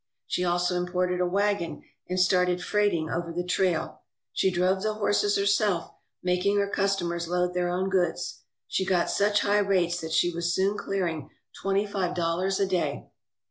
She also imported a wagon, and started freighting over the trail. She drove the horses herself, making her customers load their own goods. She got such high rates that she was soon clearing twenty five dollars a day.